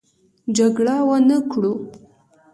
جګړه ونه کړو.